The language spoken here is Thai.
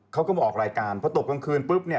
เขาก็มาออกรายการพอตกกลางคืนปุ๊บเนี่ย